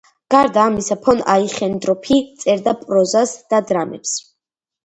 გარდა ამისა ფონ აიხენდორფი წერდა პროზას და დრამებს.